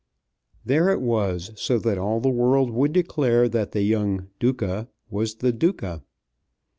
There it was, so that all the world would declare that the young "Duca" was the "Duca."